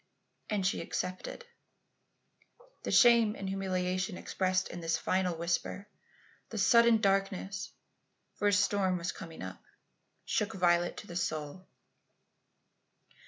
"And she accepted." The shame and humiliation expressed in this final whisper; the sudden darkness for a storm was coming up shook Violet to the soul.